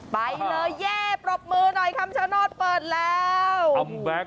ไปเลยเย่ปรบมือหน่อยคำชโนธเปิดแล้ว